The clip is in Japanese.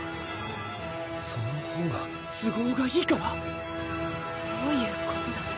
そのほうが都合がいいからどういうことだ？